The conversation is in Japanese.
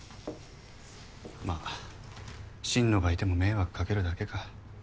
まあ心野がいても迷惑かけるだけか。